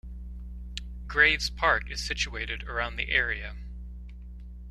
Graves Park is situated around the area.